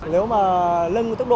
nếu mà lên tốc độ sáu mươi